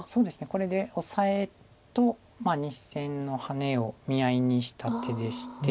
これでオサエと２線のハネを見合いにした手でして。